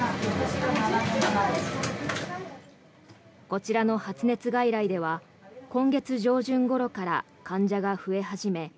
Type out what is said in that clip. こちらの発熱外来では今月上旬ごろから患者が増え始め